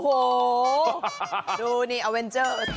โอ้โหดูนี่เอาเวนเจอร์